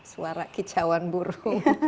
bukti bawang burung